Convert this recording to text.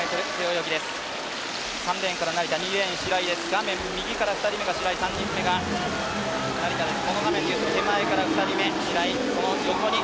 画面右から２人目が白井、３人目が成田です。